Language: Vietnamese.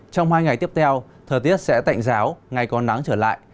trong hai ngày tiếp theo thời tiết sẽ tạnh ráo ngày còn nắng trở lại